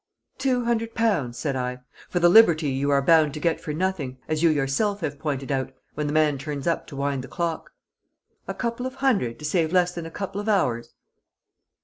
"Two hundred pounds," said I, "for the liberty you are bound to get for nothing, as you yourself have pointed out, when the man turns up to wind the clock? A couple of hundred to save less than a couple of hours?"